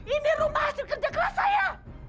ini rumah hasil kerja keras saya